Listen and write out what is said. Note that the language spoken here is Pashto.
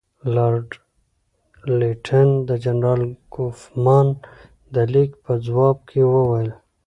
لارډ لیټن د جنرال کوفمان د لیک په ځواب کې وویل.